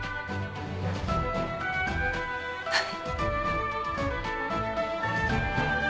はい。